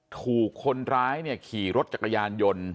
ถูกคนร้ายขี่รถจักรยานยนต์